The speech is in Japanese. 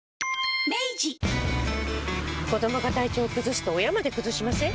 子どもが体調崩すと親まで崩しません？